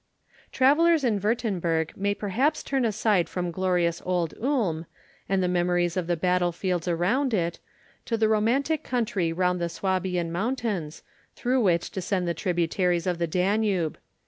Travellers in Wurtemburg may perhaps turn aside from glorious old Ulm, and the memories of the battlefields around it, to the romantic country round the Swabian mountains, through which descend the tributaries of the Danube.